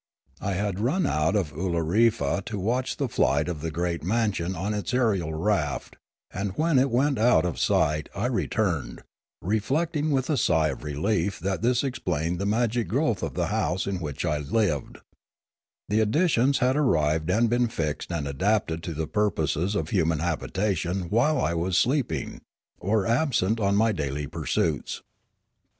I had run out of Oolorefa to watch the flight of the great mansion on its aerial raft, and when it went out of sight I re turned, reflecting with a sigh of relief that this ex plained the magic growth of the house in which I lived; the additions had arrived and been fixed and adapted to the purposes of human habitation while I was sleep ing or absent on my daily pursuits.